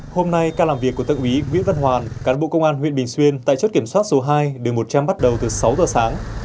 hôm nay ca làm việc của thượng úy nguyễn văn hoàn cán bộ công an huyện bình xuyên tại chốt kiểm soát số hai đường một trăm linh bắt đầu từ sáu giờ sáng